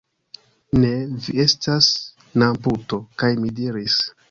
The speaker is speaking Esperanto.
Ne, vi estas namputo! kaj mi diris: